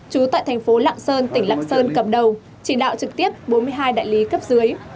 trú tại thành phố lạng sơn tỉnh lạng sơn cầm đầu chỉ đạo trực tiếp bốn mươi hai đại lý cấp dưới